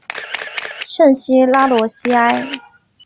圣西拉罗西埃。